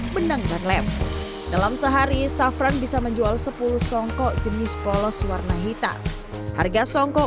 benang dan lem dalam sehari safran bisa menjual sepuluh songkok jenis polos warna hitam harga songkok